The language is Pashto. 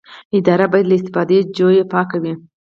اداره باید له استفاده جویۍ پاکه وي.